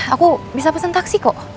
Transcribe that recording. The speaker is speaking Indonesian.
aku bisa pesan taksi kok